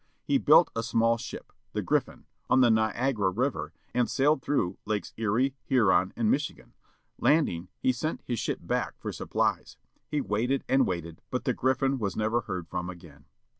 He built a small ship, the Griffin, on the Niagara River, and sailed through Lakes Erie, Huron, and Michigan. Landing he sent his ship back for supplies. He waited and waited, but the Griffin was never heard from again.